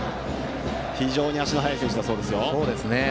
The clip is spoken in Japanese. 非常に足の速い選手だそうですよ。